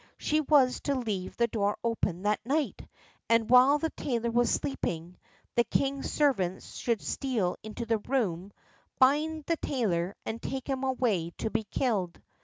She was to leave the door open that night, and while the tailor was sleeping, the king's servants should steal into the room, bind the tailor, and take him away to be killed.